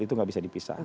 itu enggak bisa dipisah